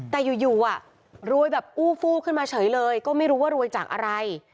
แต่อยู่รวยแบบอู้ฟู้ขึ้นมาเฉยเลยก็ไม่รู้ว่ารวยจากอะไร